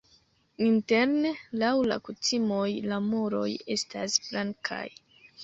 Interne laŭ la kutimoj la muroj estas blankaj.